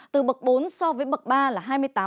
từ bậc bốn so với bậc ba là hai mươi tám